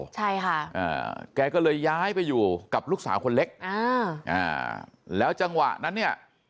ใช่ค่ะอ่าแกก็เลยย้ายไปอยู่กับลูกสาวคนเล็กอ่าอ่าแล้วจังหวะนั้นเนี่ย